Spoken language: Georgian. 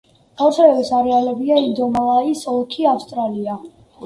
გავრცელების არეალებია ინდომალაის ოლქი, ავსტრალია.